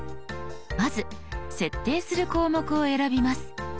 まず設定する項目を選びます。